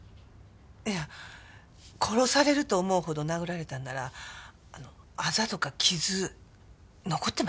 いや殺されると思うほど殴られたんならアザとか傷残ってますよね。